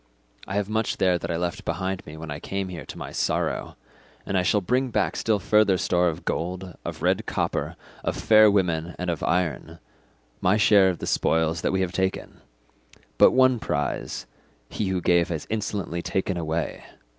I have much there that I left behind me when I came here to my sorrow, and I shall bring back still further store of gold, of red copper, of fair women, and of iron, my share of the spoils that we have taken; but one prize, he who gave has insolently taken away.